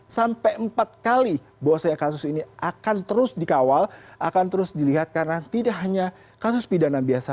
sampai empat kali bahwasanya kasus ini akan terus dikawal akan terus dilihat karena tidak hanya kasus pidana biasa